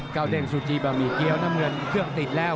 เด้งซูจีบะหมี่เกี้ยวน้ำเงินเครื่องติดแล้ว